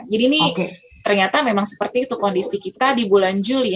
jadi ini ternyata memang seperti itu kondisi kita di bulan juli